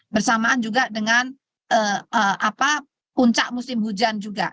bersamaan juga dengan puncak musim hujan juga